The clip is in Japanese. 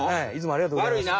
ありがとうございます。